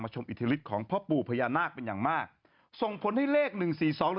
ชมอิทธิฤทธิของพ่อปู่พญานาคเป็นอย่างมากส่งผลให้เลขหนึ่งสี่สอง